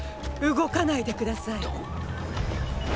動かないで下さい！